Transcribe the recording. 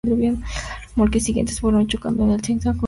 Los remolques siguientes fueron chocando en zig zag contra el primero.